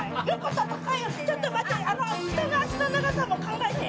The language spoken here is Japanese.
ちょっと待って！